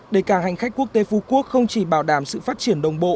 để cảng hành khách quốc tế phú quốc không chỉ bảo đảm sự phát triển đồng bộ